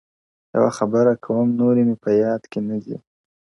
يوه خبره كـوم نــوري مــــي پـــه يـــاد كــــي نــــــــه دي،